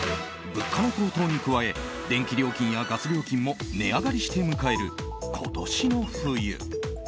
物価の高騰に加え電気料金やガス料金も値上がりして迎える今年の冬。